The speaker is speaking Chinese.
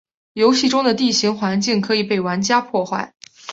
游戏中的地形环境可以被玩家破坏。